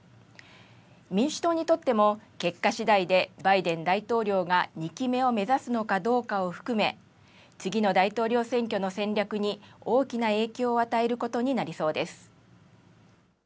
民主党にとっても、結果しだいでバイデン大統領が２期目を目指すのかどうかを含め、次の大統領選挙の戦略に大きな影響を与えることになりそうです。